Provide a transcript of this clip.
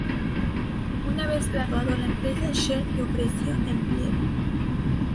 Una vez graduado la empresa Shell le ofreció empleo.